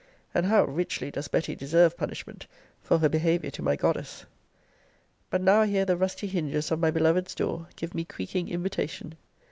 And how richly does Betty deserve punishment for her behaviour to my goddess! But now I hear the rusty hinges of my beloved's door give me creaking invitation.